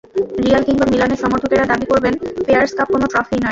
Real কিংবা মিলানের সমর্থকেরা দাবি করবেন, ফেয়ারস কাপ কোনো ট্রফিই নয়।